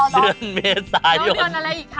เดือนอะไรอีกคะท่านคะ